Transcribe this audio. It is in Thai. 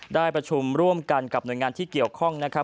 ได้ประชุมร่วมกันกับหน่วยงานที่เกี่ยวข้องนะครับ